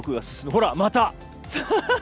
ほら、また！